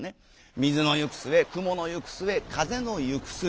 水の行く末雲の行く末風の行く末。